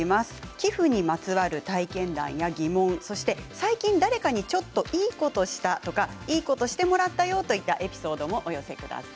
寄付にまつわる体験談や疑問そして最近、誰かにちょっといいことをしたとかいいことをしてもらったよといったエピソードもお寄せください。